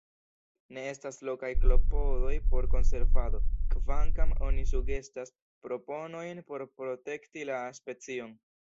Ne estas lokaj klopodoj por konservado, kvankam oni sugestas proponojn por protekti la specion.